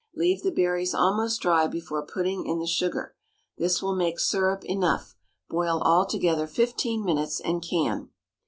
Leave the berries almost dry before putting in the sugar. This will make syrup enough. Boil all together fifteen minutes, and can.